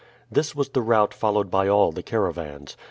This was the route followed by all the caravans.